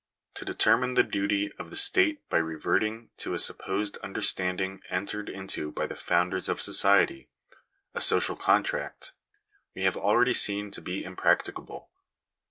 To determine the duty of the state by reverting to a supposed understanding entered into by the founders of society — a social contract — we have already seen to be impracticable (p.